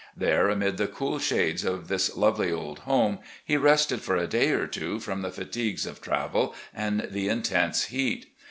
There, amid the cool shades of this lovely old home, he rested for a day or two from the fatigues of travel and the intense heat.